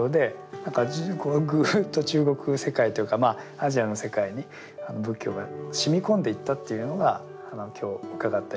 何かぐっと中国世界というかまあアジアの世界に仏教が染み込んでいったというのが今日伺った印象ですね。